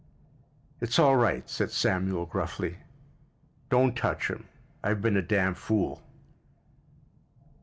"It's all right," said Samuel gruffly. "Don't touch 'him. I've been a damn fool."